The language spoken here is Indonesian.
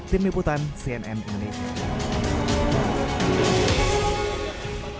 tim liputan cnn indonesia